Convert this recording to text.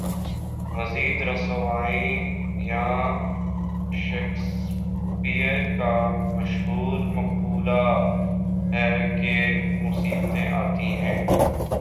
مزید رسوائیاں شیکسپیئر کا مشہور مقولہ ہے کہ مصیبتیں آتی ہیں۔